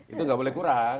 itu tidak boleh kurang